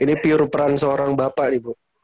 ini piur peran seorang bapak nih bu